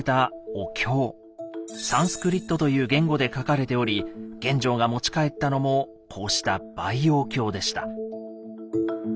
「サンスクリット」という言語で書かれており玄奘が持ち帰ったのもこうした「貝葉経」でした。